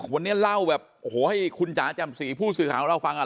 วันนี้เล่าแบบโอ้โหให้คุณจ๋าจำศรีผู้สื่อข่าวของเราฟังอ่ะ